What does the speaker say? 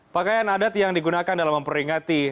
pakaian adat yang digunakan dalam memperingati